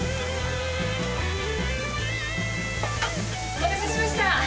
お待たせしました！